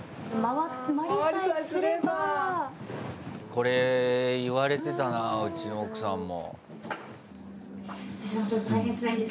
これ言われてたなぁうちの奥さんも。